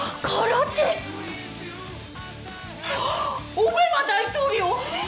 オベマ大統領！？